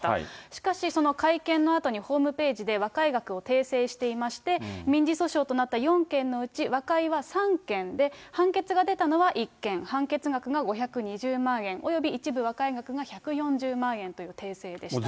しかし、その会見のあとにホームページで和解額を訂正していまして、民事訴訟となった４件のうち、和解は３件で、判決が出たのは１件、判決額が５２０万円および一部和解額が１４０万円という訂正でした。